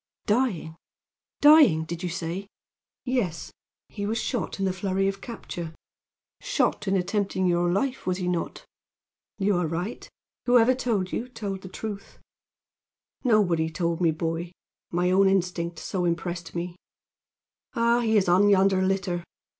"Dying! dying, did you say?" "Yes. He was shot in the flurry of capture." "Shot in attempting your life, was he not?" "You are right. Whoever told you, told the truth." "Nobody told me, boy. My own instinct so impressed me. Ah, he is on yonder litter!